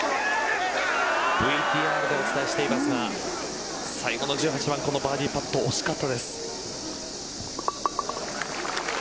ＶＴＲでお伝えしていますが最後の１８番このバーディーパット惜しかったです。